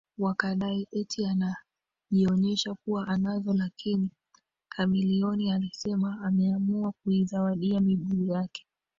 wakadai eti anajionyesha kuwa anazo Lakini Chameleone alisema ameamua kuizawadi miguu yake